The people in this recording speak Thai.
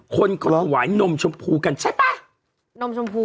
คนเขาถวายนมชมพูกันใช่ปะ